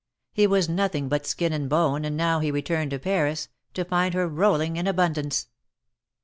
He was nothing but skin and bone, and now he returned to Paris, to find her rolling in abundance.